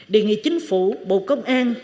đề nghị chính phủ bộ công an